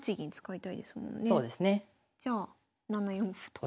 じゃあ７四歩と。